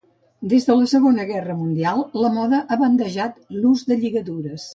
Des de la Segona Guerra Mundial la moda ha bandejat l'ús de lligadures.